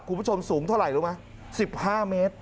คุณผู้ชมสูงเท่าไหร่รู้ไหม๑๕เมตร